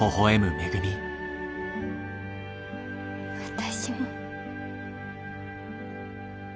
私も。